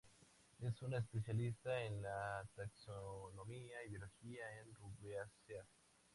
Es una especialista en la taxonomía y biología en rubiáceas.